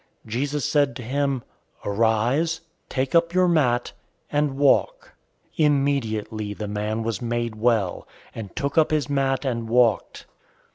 005:008 Jesus said to him, "Arise, take up your mat, and walk." 005:009 Immediately, the man was made well, and took up his mat and walked.